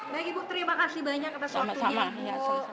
baik ibu terima kasih banyak atas waktunya